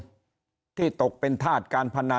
สวัสดีครับท่านผู้ชมครับสวัสดีครับท่านผู้ชมครับ